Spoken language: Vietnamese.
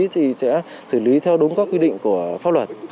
thì sẽ xử lý theo đúng các quy định của pháp luật